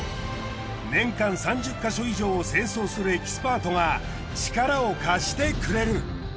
年間３０ヵ所以上を清掃するエキスパートが力を貸してくれる！